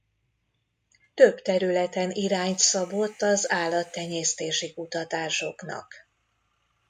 Több területen irányt szabott az állattenyésztési kutatásoknak.